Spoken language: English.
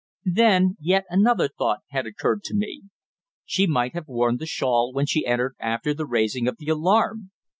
Then, yet another thought had occurred to me. She might have worn the shawl when she entered after the raising of the alarm.